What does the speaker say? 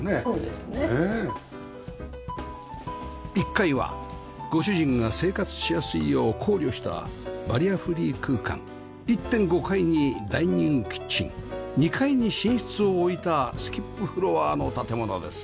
１階はご主人が生活しやすいよう考慮したバリアフリー空間１．５ 階にダイニングキッチン２階に寝室を置いたスキップフロアの建物です